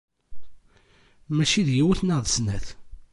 Mačči d yiwet neɣ d snat.